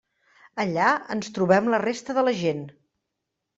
Allà ens trobem la resta de la gent.